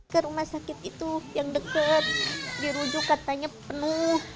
ke rumah sakit itu yang deket dirujuk katanya penuh